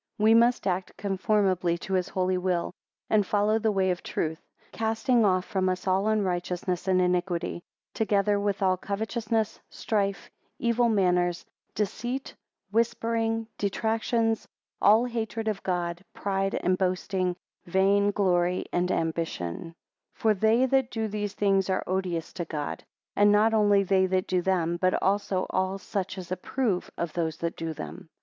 8 We must act conformably to his holy will; and follow the way of truth, casting off from us all unrighteousness and iniquity, together with all covetousness, strife, evil manners, deceit, whispering, detractions; all hatred of God, pride and boasting; vain glory and ambition; 9 For they that do these things are odious to God; and not only they that do them, but also all such as approve of those that do them.